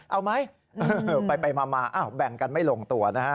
เอาไหมไปมาแบ่งกันไม่ลงตัวนะฮะ